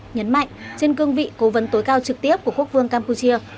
nhấn mạnh trên cương vị cố vấn tối cao trực tiếp của quốc vương campuchia